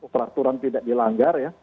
peraturan tidak dilanggar ya